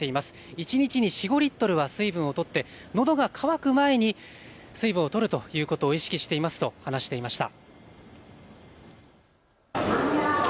一日に４、５リットルは水分をとって、のどが渇く前に水分をとるということを意識していますと話していました。